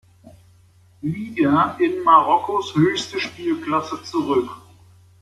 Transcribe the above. Liga in Marokkos höchste Spielklasse zurück.